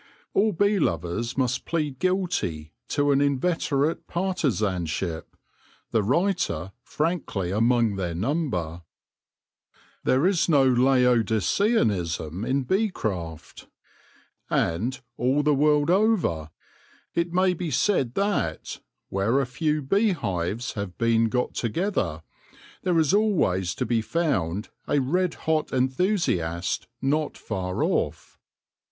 All bee lovers must plead guilty to an inveterate partizanship, the writer frankly among their number. There is no laodiceanism in bee craft ; and, all the world over, it may be said that, where a few bee hives have been got together, there is always to be found a red hot enthusiast not far off.